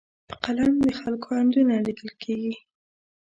په قلم د خلکو اندونه لیکل کېږي.